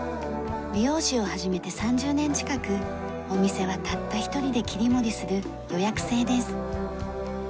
美容師を始めて３０年近くお店はたった一人で切り盛りする予約制です。